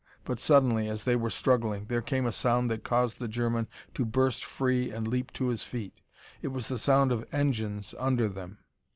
But suddenly, as they were struggling, there came a sound that caused the German to burst free and leap to his feet. It was the sound of engines under them!